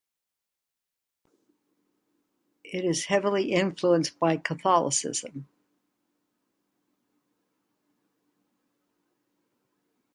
It is heavily influence by Catholcisim.